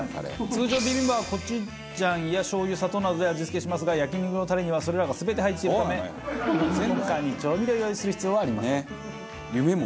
通常ビビンバはコチュジャンやしょう油砂糖などで味付けしますが焼肉のタレにはそれらが全て入っているためその他に調味料を用意する必要はありません。